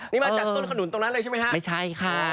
นี่มาจากต้นขนุนตรงนั้นเลยใช่ไหมคะไม่ใช่ค่ะ